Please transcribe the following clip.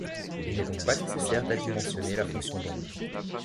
Il n'est donc pas nécessaire d'adimensionner la fonction d'onde.